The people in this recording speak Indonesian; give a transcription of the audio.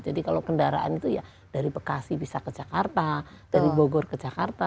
jadi kalau kendaraan itu ya dari bekasi bisa ke jakarta dari bogor ke jakarta